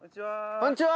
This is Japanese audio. こんにちは。